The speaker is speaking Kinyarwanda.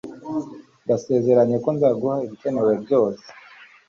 ndasezeranye ko nzaguha ibikenewe byose